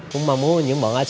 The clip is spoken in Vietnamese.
cũng mong muốn những bọn asa biết